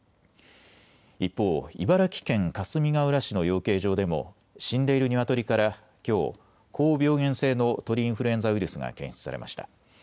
一方、茨城県かすみがうら市の養鶏場でも死んでいるニワトリからきょう、高病原性の鳥インフルエンザウイルスが検出されました。